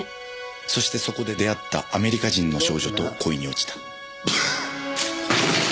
そしてそこで出会ったアメリカ人の少女と恋に落ちた。